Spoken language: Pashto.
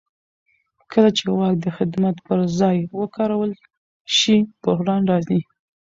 کله چې واک د خدمت پر ځای وکارول شي بحران راځي